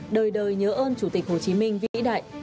đời đời nhớ ơn chủ tịch hồ chí minh vĩ đại